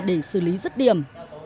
để xử lý rứt điểm